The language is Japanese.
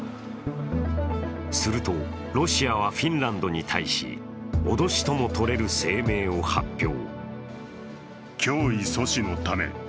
するとロシアは、フィンランドに対し、脅しともとれる声明を発表。